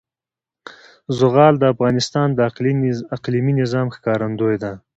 زغال د افغانستان د اقلیمي نظام ښکارندوی ده.